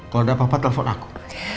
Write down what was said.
kalau ada apa apa telepon aku